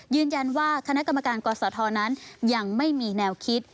ยืนยันว่าคณะกรรมการกศธนั้นยังไม่มีแนวคิด